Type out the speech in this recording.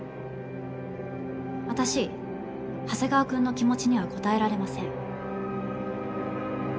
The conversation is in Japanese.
私長谷川君の気持ちには応えられません。